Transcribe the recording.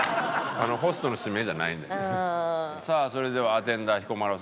さあそれではアテンダー彦摩呂さん